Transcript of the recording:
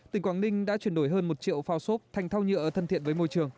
tỉnh quảng ninh đã chuyển đổi hơn một triệu phao sốt thành thao nhựa thân thiện với môi trường